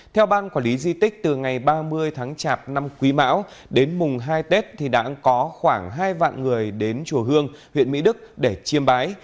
theo ban quản lý di tích từ ngày ba mươi tháng chạp năm quý mão đến mùng hai tết thì đã có khoảng hai vạn người đến chùa hương huyện mỹ đức để chiêm bái